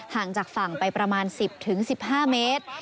ห่างจากฝั่งไปประมาณ๑๐๑๕เมตร